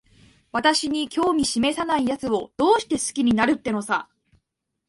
私に興味しめさないやつを、どうして好きになるってのさ。